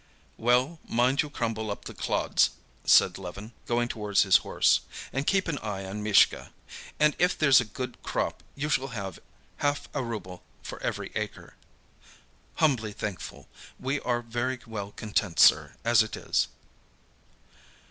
"Well, mind you crumble up the clods," said Levin, going towards his horse, "and keep an eye on Mishka. And if there's a good crop you shall have half a rouble for every acre." "Humbly thankful. We are very well content, sir, as it is."